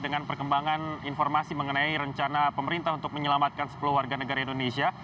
dengan perkembangan informasi mengenai rencana pemerintah untuk menyelamatkan sepuluh warga negara indonesia